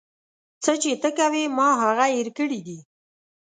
څه چې ته کوې ما هغه هير کړي دي.